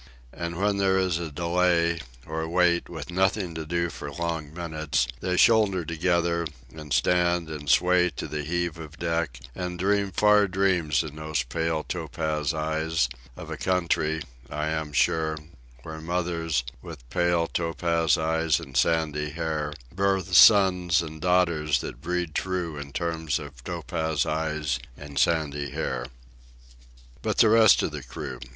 And when there is a delay, or wait, with nothing to do for long minutes, they shoulder together, and stand and sway to the heave of deck, and dream far dreams in those pale, topaz eyes, of a country, I am sure, where mothers, with pale, topaz eyes and sandy hair, birth sons and daughters that breed true in terms of topaz eyes and sandy hair. But the rest of the crew!